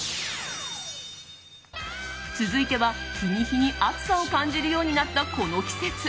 続いては、日に日に暑さを感じるようになったこの季節。